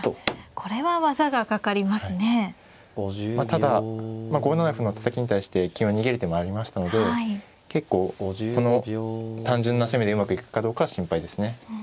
ただ５七歩のたたきに対して金を逃げる手もありましたので結構この単純な攻めでうまくいくかどうかは心配ですね。